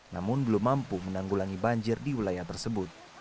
namun belum mampu menanggulangi banjir di wilayah tersebut